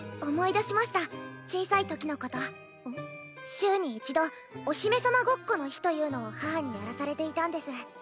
週に一度お姫様ごっこの日というのを母にやらされていたんです。